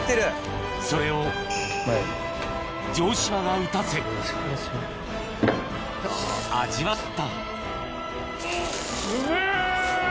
それを城島が打たせ味わったうめぇ！